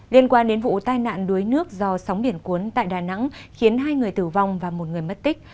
liên quan đến vụ tai nạn đuối nước do sóng biển cuốn tại đà nẵng khiến hai người tử vong và một người mất tích